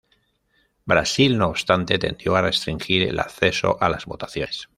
Brasil, no obstante, tendió a restringir el acceso a las votaciones.